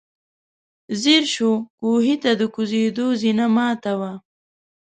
ځير شو، کوهي ته د کوزېدو زينه ماته وه.